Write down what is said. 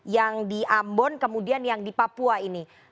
yang di ambon kemudian yang di papua ini